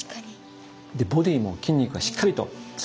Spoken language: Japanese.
ボディーも筋肉がしっかりとついていますよね。